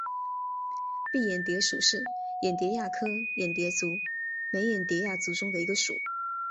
蔽眼蝶属是眼蝶亚科眼蝶族眉眼蝶亚族中的一个属。